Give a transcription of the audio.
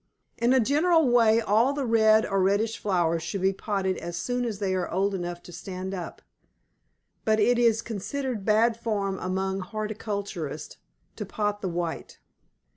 In a general way all the red or reddish flowers should be potted as soon as they are old enough to stand it, but it is considered bad form among horticulturists to pot the white.